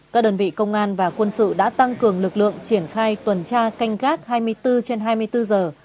các đơn vị công an và quân sự đã tăng cường lực lượng triển khai tuần tra canh gác hai mươi bốn trên hai mươi bốn giờ